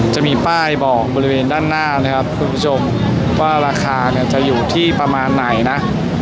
จะมีป้ายบอกบริเวณด้านหน้านะครับคุณผู้ชมว่าราคาเนี่ยจะอยู่ที่ประมาณไหนนะ